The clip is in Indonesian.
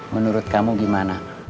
menurut kamu gimana